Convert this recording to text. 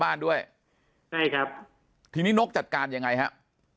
บ้านด้วยทีนี้นกจัดการยังไงครับ